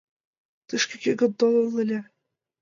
Тышке кӧ гын толын ыле?